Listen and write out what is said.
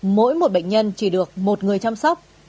mỗi một bệnh nhân chỉ được một người chăm sóc